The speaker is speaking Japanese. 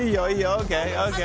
ＯＫＯＫ！